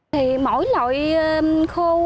thì mỗi loại khô